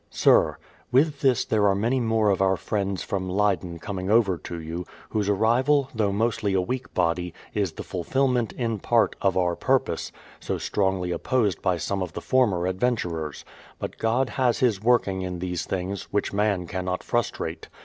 Sir, With this there are many more of our friends from Leyden coming over to you, whose arrival, though mostly a weak body, is the fulfillment, in part, of our purpose, so strongly opposed by some of the former adventurers. But God has His working in these things, which man cannot frustrate.